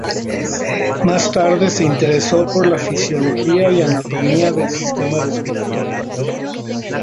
Más tarde se interesó por la fisiología y anatomía del sistema respiratorio.